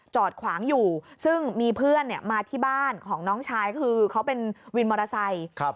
จอดขวางอยู่ซึ่งมีเพื่อนมาที่บ้านของน้องชายคือเขาเป็นวินมอเตอร์ไซค์